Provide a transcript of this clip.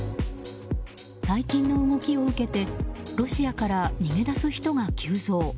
最近の動きを受けてロシアから逃げ出す人が急増。